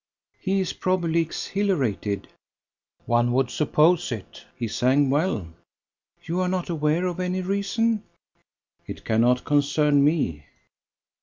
"He is probably exhilarated." "One would suppose it: he sang well." "You are not aware of any reason?" "It cannot concern me."